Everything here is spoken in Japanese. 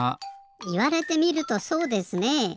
いわれてみるとそうですねえ。